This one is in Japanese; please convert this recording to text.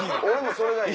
それがいい。